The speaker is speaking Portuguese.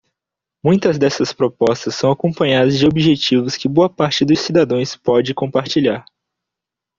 Muitas dessas propostas são acompanhadas de objetivos que boa parte dos cidadãos pode compartilhar.